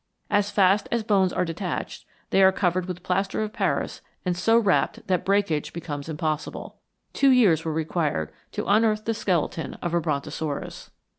As fast as bones are detached, they are covered with plaster of Paris and so wrapped that breakage becomes impossible. Two years were required to unearth the skeleton of a brontosaurus.